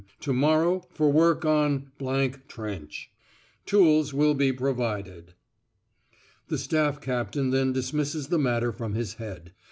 to morrow for work on ... Trench. Tools will be provided." The Staff Captain then dismisses the matter from his head.